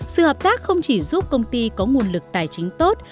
sự hợp tác không chỉ giúp công ty có nguồn lực tài chính tốt